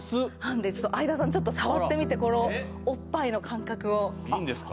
相田さんちょっと触ってみてこのおっぱいの感覚をいいんですか？